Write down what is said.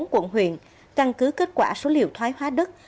hai mươi bốn quận huyện căn cứ kết quả số liệu thoái hóa đất